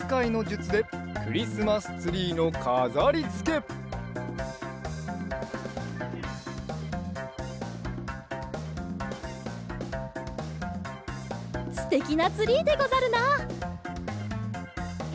すてきなツリーでござるな。